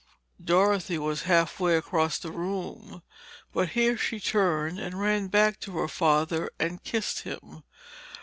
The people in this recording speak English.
Dorothy was half way across the room, but here she turned and ran back to her father and kissed him.